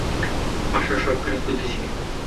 বাসার সবখানে খুঁজেছি।